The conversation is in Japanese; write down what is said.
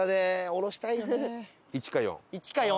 「１」か「４」。